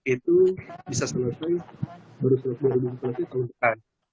itu bisa selesai baru setelah tahun depan